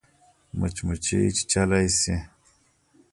مچمچۍ چیچلای شي